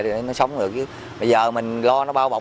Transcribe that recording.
để nó sống được bây giờ mình lo nó bao bọc